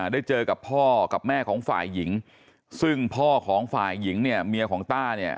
ได้เจอกับพ่อกับแม่ของฝ่ายหญิงซึ่งพ่อของฝ่ายหญิงเนี่ยเมียของต้าเนี่ย